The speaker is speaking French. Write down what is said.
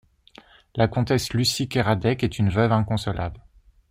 La comtesse Lucie de Kéradec est une veuve inconsolable.